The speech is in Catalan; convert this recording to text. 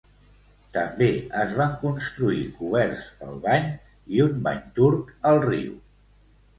També es van construir coberts pel bany i un bany turc al riu.